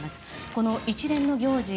この一連の行事